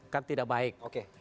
kan tidak baik